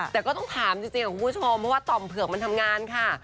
แต่ก็ต้องถามจริงคุณผู้ชมเพราะว่าต่อมเผือกมันทำงานค่ะ